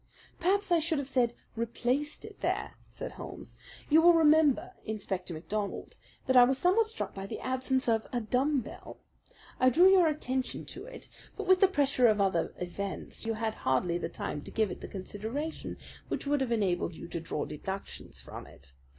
"Perhaps I should have said 'replaced it there,'" said Holmes. "You will remember, Inspector MacDonald, that I was somewhat struck by the absence of a dumb bell. I drew your attention to it; but with the pressure of other events you had hardly the time to give it the consideration which would have enabled you to draw deductions from it.